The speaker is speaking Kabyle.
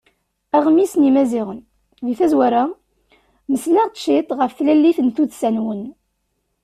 Aɣmis n yimaziɣen: Deg tazwara, mmeslaɣ-d ciṭ ɣef tlalit n tuddsa-nwen.